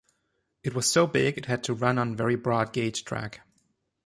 It was so big it had to run on very broad gauge track.